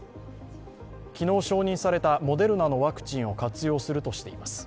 昨日承認されたモデルナのワクチンを活用するとしています。